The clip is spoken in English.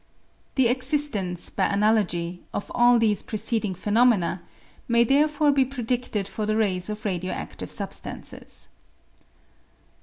The existence, by analogy, of all these preceding pheno mena may therefore be predidted for the rays of radio adive substances.